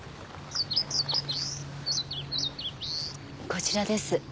こちらです。